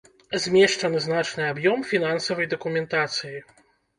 Змешчаны значны аб'ём фінансавай дакументацыі.